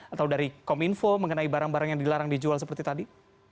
atau dari kominfo mengenai barang barang yang dilarang dijual seperti tadi